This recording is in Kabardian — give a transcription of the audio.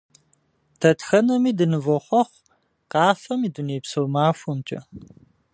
Дэтхэнэми дынывохъуэхъу Къафэм и дунейпсо махуэмкӀэ!